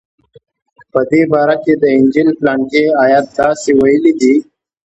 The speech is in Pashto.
چې په دې باره کښې د انجيل پلانکى ايت داسې ويلي دي.